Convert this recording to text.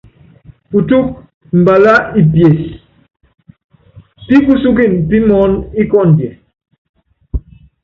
Putúk mbalá i pies pi kusúkin pimɔɔn ikɔndiɛ.